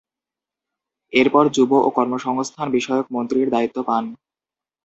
এরপর যুব ও কর্মসংস্থান বিষয়ক মন্ত্রীর দায়িত্ব পান।